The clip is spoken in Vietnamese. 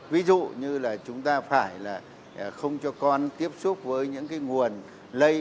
ví dụ như là chúng ta phải là không cho con tiếp xúc với những cái nguồn lây